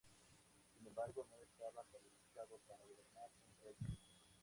Sin embargo, no estaba calificado para gobernar un reino.